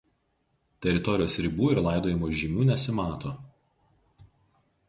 Teritorijos ribų ir laidojimo žymių nesimato.